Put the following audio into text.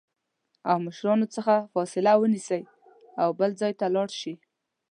او مشرانو څخه فاصله ونیسي او بل ځای لاړ شي